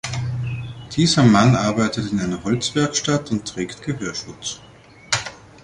Dieser Mann arbeitet in einer Holzwerkstatt und trägt Gehörschutz.